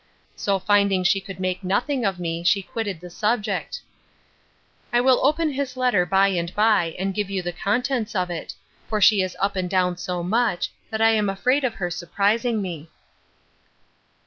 So, finding she could make nothing of me, she quitted the subject. I will open his letter by and by, and give you the contents of it; for she is up and down so much, that I am afraid of her surprising me.